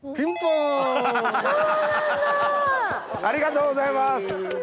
ありがとうございます！